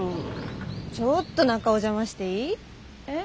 ちょっと中お邪魔していい？え？